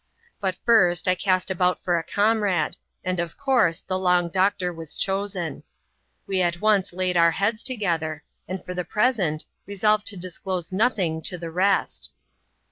But first, I cast about for a comrade ; and of course the long doctor was chosen. We at once laid our heads together •, and for the present, resolved to disclose nothing to the rest.